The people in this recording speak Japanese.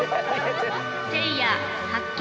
せいや発見。